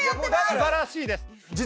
素晴らしいです。